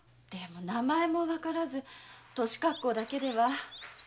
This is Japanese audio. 名前もわからず年格好だけでは。